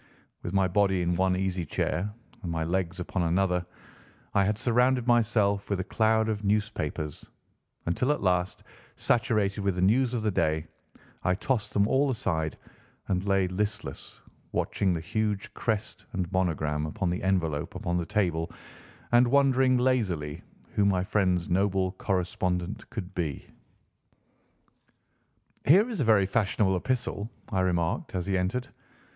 With my body in one easy chair and my legs upon another, I had surrounded myself with a cloud of newspapers until at last, saturated with the news of the day, I tossed them all aside and lay listless, watching the huge crest and monogram upon the envelope upon the table and wondering lazily who my friend's noble correspondent could be. "Here is a very fashionable epistle," I remarked as he entered.